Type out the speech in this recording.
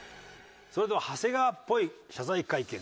それでは長谷川っぽい謝罪会見。